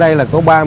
hạn lọc của công ty